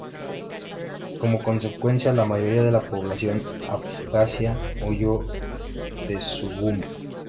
Como consecuencia, la mayoría de la población abjasia huyó de Sujumi.